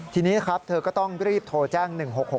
ทีนี้นะครับเธอก็ต้องรีบโทรแจ้ง๑๖๖